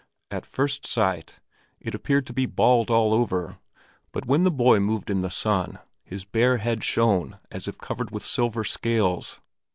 At first sight it appeared to be bald all over; but when the boy moved in the sun, his bare head shone as if covered with silver scales.